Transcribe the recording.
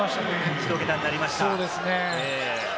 ひと桁になりました。